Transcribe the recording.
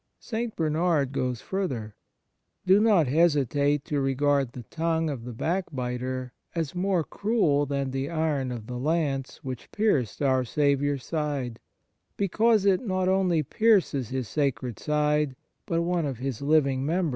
St. Bernard goes further: "Do not hesitate to regard the tongue of the backbiter as more cruel than the iron of the lance which pierced our Saviour s side, because it not only pierces His sacred side, but one of His living members 49 E COLL CHRIST!